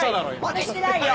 まねしてないよ。